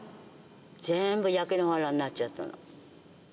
ぜーんぶ焼け野原になっちゃったの。